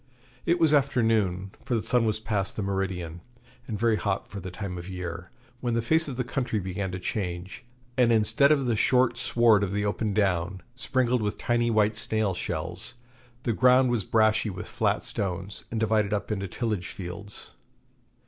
It was after noon, for the sun was past the meridian, and very hot for the time of year, when the face of the country began to change; and instead of the short sward of the open down, sprinkled with tiny white snail shells, the ground was brashy with flat stones, and divided up into tillage fields.